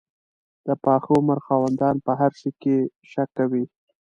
د پاخه عمر خاوندان په هر شي شک کوي.